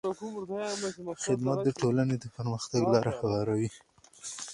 خدمت د ټولنې د پرمختګ لاره هواروي.